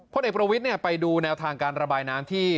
เด็กประวิทย์ไปดูแนวทางการระบายน้ำที่